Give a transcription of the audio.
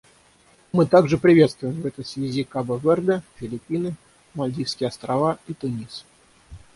Мы также приветствуем в этой связи Кабо-Верде, Филиппины, Мальдивские Острова и Тунис.